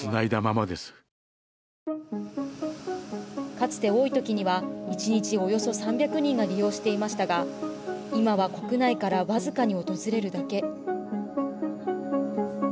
かつて多いときには１日およそ３００人が利用していましたが今は国内からわずかに訪れるだけ。